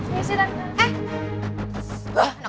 iya sih randa